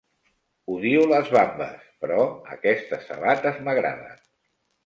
Odio les vambes, però aquestes sabates m'agraden.